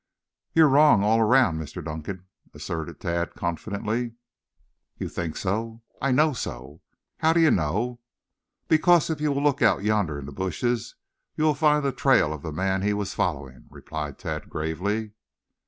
"You're wrong all around, Mr. Dunkan," asserted Tad confidently. "You think so?" "I know so." "How d'ye know?" "Because if you will look out yonder in the bushes you will find the trail of the man he was following," replied Tad gravely.